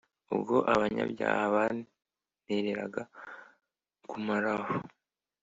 Ubwo Abanyabyaha Bantereraga Kumaraho